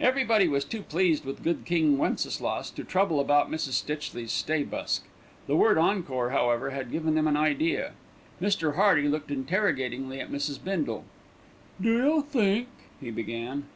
Everybody was too pleased with "Good King Wenceslas" to trouble about Mrs. Stitchley's stay busk. The word "encore," however, had given them an idea. Mr. Hearty looked interrogatingly at Mrs. Bindle. "Do you think " he began.